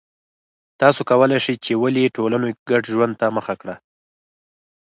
تاسو کولای شئ چې ولې ټولنو ګډ ژوند ته مخه کړه